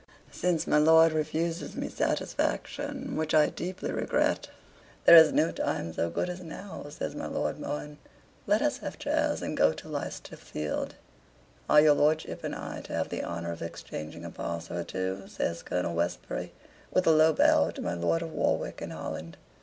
"Since my Lord refuses me satisfaction, which I deeply regret, there is no time so good as now," says my Lord Mohun. "Let us have chairs and go to Leicester Field." "Are your lordship and I to have the honor of exchanging a pass or two?" says Colonel Westbury, with a low bow to my Lord of Warwick and Holland.